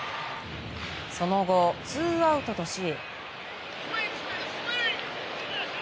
その後、ツーアウトとし。